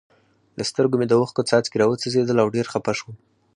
له سترګو مې د اوښکو څاڅکي را و څڅېدل او ډېر خپه شوم.